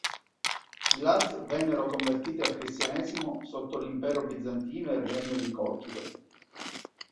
I laz vennero convertiti al cristianesimo sotto l'Impero bizantino e il regno di Colchide.